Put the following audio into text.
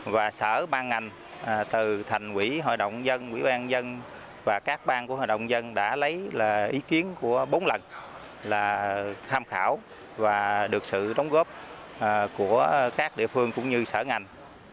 và sở ban ngành từ thành quỹ hội đồng dân quỹ ban dân và các bang của hội đồng dân đã lấy ý kiến của bốn lần là tham khảo và được sự đóng góp của các địa phương cũng như sở ngành